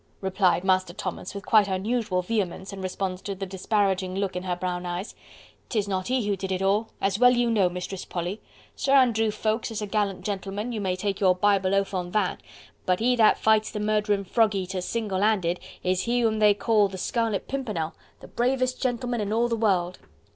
replied Master Thomas with quite unusual vehemence in response to the disparaging look in her brown eyes, "'Tis not he who did it all, as you well know, Mistress Polly. Sir Andrew Ffoulkes is a gallant gentleman, you may take your Bible oath on that, but he that fights the murdering frogeaters single handed is he whom they call The Scarlet Pimpernel: the bravest gentleman in all the world."